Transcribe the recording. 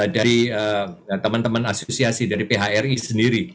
dari teman teman asosiasi dari phri sendiri